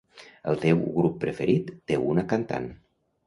El teu grup preferit té una cantant.